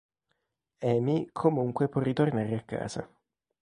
Amy, comunque può ritornare a casa.